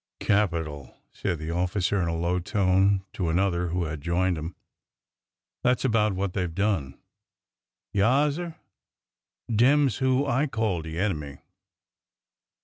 ''" Capital !" said the officer in a low tone to another 324 ORDER NO. 11 who had joined him. '' That 's about what they Ve done!'' " Yaassir, dem 's who I call de enemy.